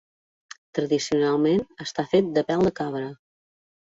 Tradicionalment està fet de pèl de cabra.